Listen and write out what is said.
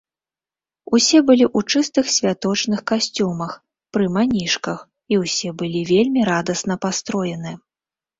Усе былі ў чыстых святочных касцюмах, пры манішках, і ўсе былі вельмі радасна пастроены.